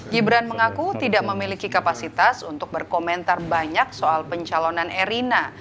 gibran mengaku tidak memiliki kapasitas untuk berkomentar banyak soal pencalonan erina